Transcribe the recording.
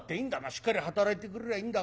しっかり働いてくれりゃいいんだがな。